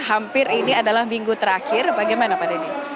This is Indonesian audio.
hampir ini adalah minggu terakhir bagaimana pak denny